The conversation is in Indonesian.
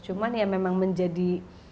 cuman ya memang menjadi